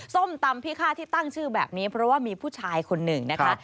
ส้มตำพิฆาตที่ตั้งชื่อแบบนี้เพราะว่ามีผู้ชายคนหนึ่งนะคะ